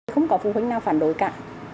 không có phụ huynh nào phản đối cả